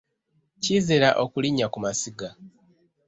Kizira okulinnya ku masiga.